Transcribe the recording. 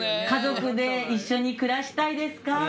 家族で一緒に暮らしたいですか？